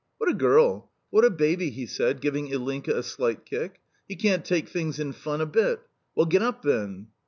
"What a girl! What a gaby!" he said, giving Ilinka a slight kick. "He can't take things in fun a bit. Well, get up, then."